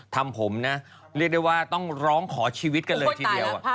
ทำผมนะเรียกได้ว่าต้องร้องขอชีวิตกันเลยทีเดียว